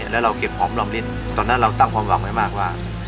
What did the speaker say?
แล้วเราเก็บหอมรอมลิ้นตอนนั้นเราตั้งความหวังไว้มากว่า